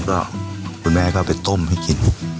ก็คุณแม่ก็ไปต้มให้กิน